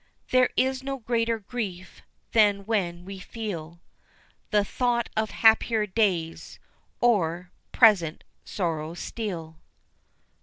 there is no greater grief than when we feel The thought of happier days o'er present sorrows steal.